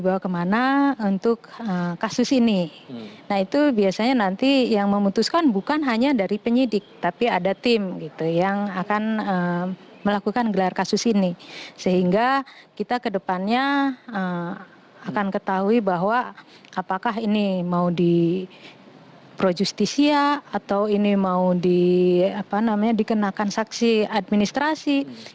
badan pengawasan obat dan makanan bepom mengeluarkan rilis hasil penggerbekan tempat produksi bihun berdesain bikini